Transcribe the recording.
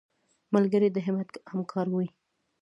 ملګری د همت همکار وي